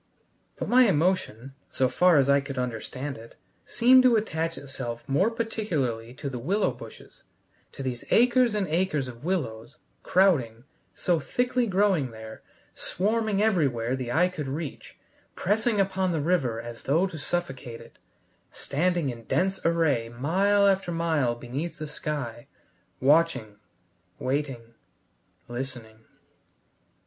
But my emotion, so far as I could understand it, seemed to attach itself more particularly to the willow bushes, to these acres and acres of willows, crowding, so thickly growing there, swarming everywhere the eye could reach, pressing upon the river as though to suffocate it, standing in dense array mile after mile beneath the sky, watching, waiting, listening.